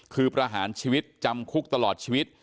คือประหารชีวิตจำคุกตลอดชีวิต